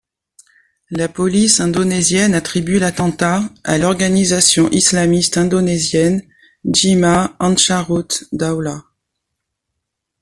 La police indonésienne attribue l'attentat à l'organisation islamiste indonésienne Jemaah Ansharut Daulah.